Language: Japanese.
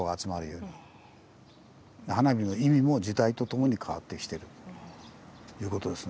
花火の意味も時代とともに変わってきてるということですね。